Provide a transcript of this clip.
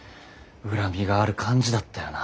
恨みがある感じだったよな。